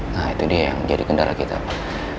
nah itu dia yang jadi kendala kita pak